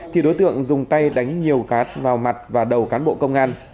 thì đối tượng dùng tay đánh nhiều cát vào mặt và đầu cán bộ công an